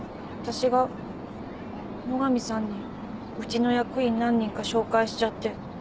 私が野上さんにうちの役員何人か紹介しちゃって。